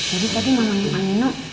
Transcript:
jadi tadi mamanya aminu